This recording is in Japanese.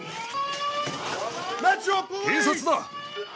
警察だ！